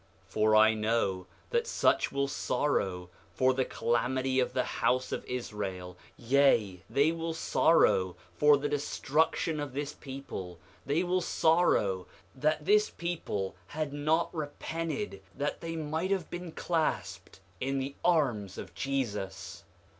5:11 For I know that such will sorrow for the calamity of the house of Israel; yea, they will sorrow for the destruction of this people; they will sorrow that this people had not repented that they might have been clasped in the arms of Jesus.